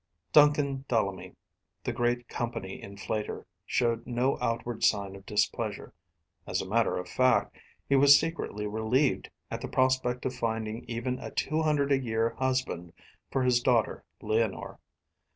Duncan Dullamy, the great company inflator, showed no outward sign of displeasure. As a matter of fact, he was secretly relieved at the prospect of finding even a two hundred a year husband for his daughter Leonore.